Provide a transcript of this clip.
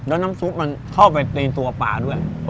แล้วน้ำซุปมันเข้าไปในตัวปลาด้วย